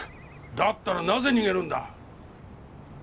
だったらなぜ逃げるんだ？